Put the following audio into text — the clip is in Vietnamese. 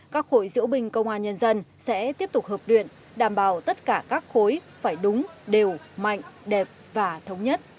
các hội diễu bình công an nhân dân sẽ tiếp tục hợp luyện đảm bảo tất cả các khối phải đúng đều mạnh đẹp và thống nhất